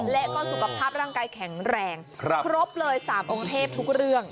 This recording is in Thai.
และก็สุขภาพร่างกายแข็งแรงครบเลย๓องค์เทพทุกเรื่อง